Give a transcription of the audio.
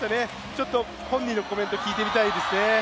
ちょっと、本人のコメント聞いてみたいですね。